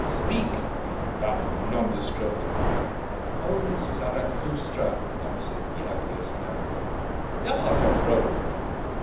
Speak, thou nondescript!" "O Zarathustra," answered the ugliest man, "thou art a rogue!